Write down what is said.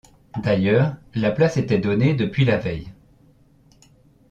D’ailleurs, la place était donnée depuis la veille.